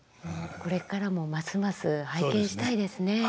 これからもますます拝見したいですね。